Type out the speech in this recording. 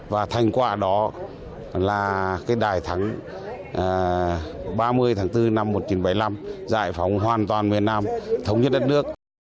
và thành quả đó là cái đại thắng ba mươi tháng bốn năm một nghìn chín trăm bảy mươi năm giải phóng hoàn toàn miền nam thống nhất đất nước